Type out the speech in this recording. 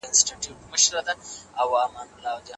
ځیني پوهنتونونه شاګرد ته د استاد ټاکلو واک ورکوي.